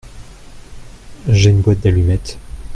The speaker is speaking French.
J’ai une boîte d’allumettes.